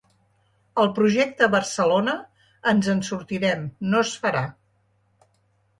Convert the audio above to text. El projecte ‘Barcelona, ens en sortirem’ no es farà.